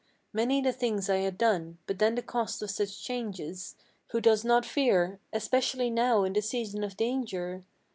Many the things I had done; but then the cost of such changes Who does not fear, especially now in this season of danger?